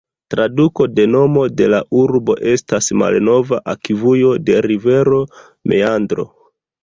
Traduko de nomo de la urbo estas "malnova akvujo de rivero, meandro".